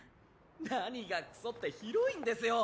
何がクソってヒロインですよ。